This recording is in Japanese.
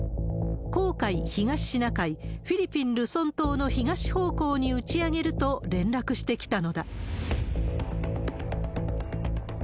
黄海、東シナ海、フィリピン・ルソン島の東方向に打ち上げると連絡してきたのだ。